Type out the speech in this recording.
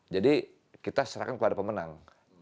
jadi kita serahkan kepada pemenang